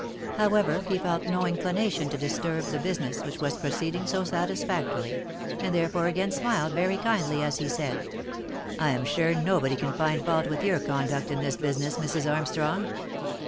However, he felt no inclination to disturb the business which was pro ceeding so satisfactorily, and therefore again smiled very kindly as he said, " I am sure nobody can find fault with your conduct in this business, Mrs. Armstrong.